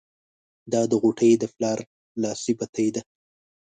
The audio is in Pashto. دا د غوټۍ د پلار لاسي بتۍ ده.